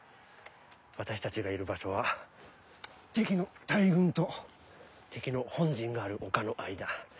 私たちがいる場所は敵の大軍と敵の本陣がある丘の間。